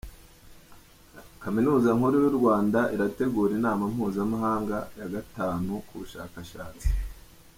Kaminuza Nkuru y’u Rwanda irategura inama mpuzamahanga ya gatanu ku bushakashatsi